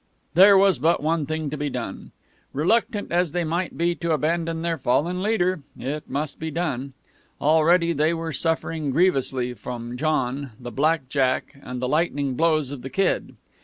There was but one thing to be done. Reluctant as they might be to abandon their fallen leader, it must be done. Already they were suffering grievously from John, the black jack, and the lightning blows of the Kid.